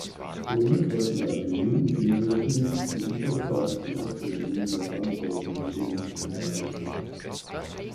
Besonders häufige Erwähnung finden zu dieser Zeit die Aufführungen der Abenteuerkomödie "Eine galante Nacht".